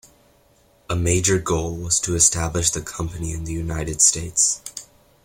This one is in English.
A major goal was to establish the company in the United States.